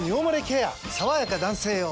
さわやか男性用」